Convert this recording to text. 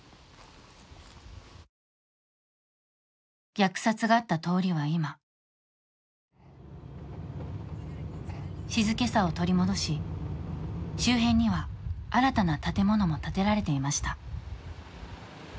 虐殺があった通りは、今静けさを取り戻し周辺には、新たな建物も建てられていました。